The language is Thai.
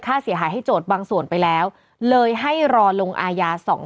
ค่าเสียหายให้โจทย์บางส่วนไปแล้วเลยให้รอลงอาญาสอง